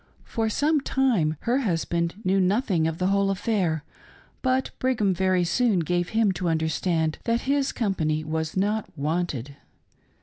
For some time her husband knew nothing of the whole affair, but Brigham very soon gave him to understand that his company was not wanted.